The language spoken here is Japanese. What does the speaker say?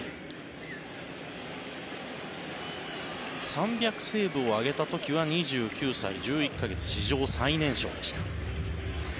３００セーブを挙げた時は２９歳１１か月史上最年少でした。